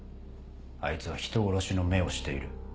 あいつは人殺しの目をしている。